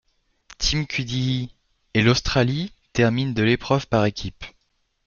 Tim Cuddihy et l'Australie terminent de l'épreuve par équipe.